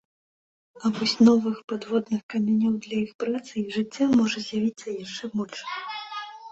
А вось новых падводных камянёў для іх працы і жыцця можа з'явіцца яшчэ больш.